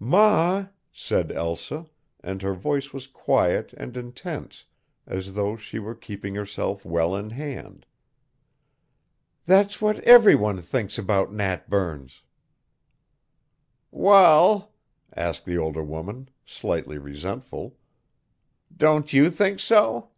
"Ma," said Elsa, and her voice was quiet and intense as though she were keeping herself well in hand, "that's what every one thinks about Nat Burns." "Wal," asked the elder woman, slightly resentful, "don't you think so?"